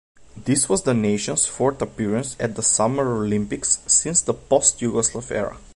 This was the nation's fourth appearance at the Summer Olympics since the post-Yugoslav era.